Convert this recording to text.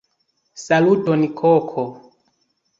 Saluton koko!